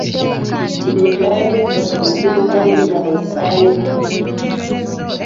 Lubega yayogedde ku bukulu bw'olulimi Oluswayiri.